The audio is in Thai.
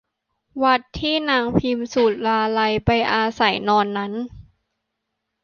วัดที่นางพิมสุราลัยไปอาศัยนอนนั้น